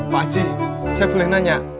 pak haji saya boleh nanya